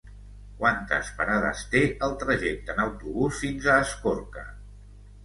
Quantes parades té el trajecte en autobús fins a Escorca?